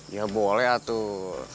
ya boleh atuh